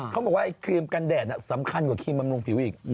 เขาบอกว่าไอครีมกันแดดสำคัญกว่าครีมบำรุงผิวอีก